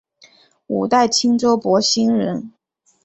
五代青州博兴人。